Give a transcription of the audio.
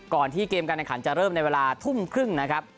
ที่เกมการแข่งขันจะเริ่มในเวลาทุ่มครึ่งนะครับ